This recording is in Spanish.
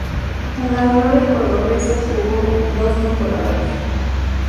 En La Gloria cordobesa jugó dos temporadas.